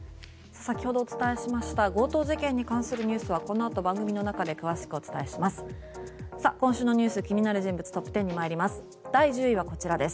先ほどお伝えしました強盗事件に関するニュースはこのあと番組の中で詳しくお伝えします。